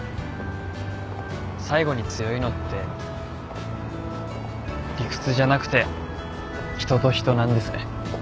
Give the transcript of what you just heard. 最後に強いのって理屈じゃなくて人と人なんですね。